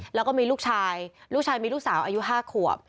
แล้วก็มีลูกชายลูกชายมีลูกสาวอายุ๕ขวบ